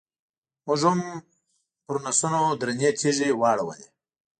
موږ هم پرنسونو درنې تیږې واړولې.